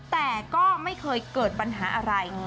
แต่ก็ไม่เคยเกิดปัญหาอะไร